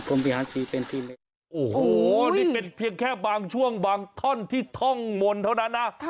โอ้โหนี่เป็นเพียงแค่บางช่วงบางท่อนที่ท่องมนต์เท่านั้นนะ